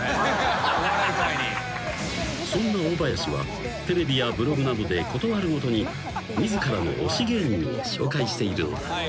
［そんな大林はテレビやブログなどで事あるごとに自らの推し芸人を紹介しているのだ］